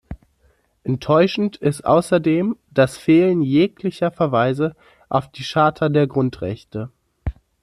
Enttäuschend ist außerdem das Fehlen jeglicher Verweise auf die Charta der Grundrechte.